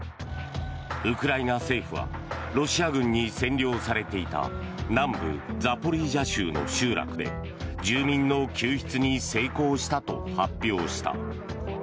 ウクライナ政府はロシア軍に占領されていた南部ザポリージャ州の集落で住民の救出に成功したと発表した。